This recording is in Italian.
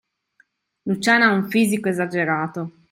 Luciana ha un fisico esagerato!